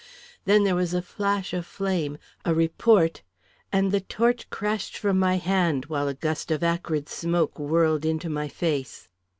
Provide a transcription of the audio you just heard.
Then there was a flash of flame, a report, and the torch crashed from my hand, while a gust of acrid smoke whirled into my face.